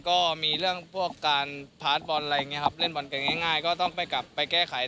ก็มีเรื่องพวกการพาร์ทบอลอะไรอย่างนี้ครับเล่นบอลกันง่ายก็ต้องไปกลับไปแก้ไข